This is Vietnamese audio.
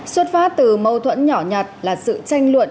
xuất phát từ mâu thuẫn nhỏ nhặt là sự tranh luận